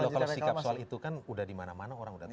kalau sikap soal itu kan udah dimana mana orang udah tahu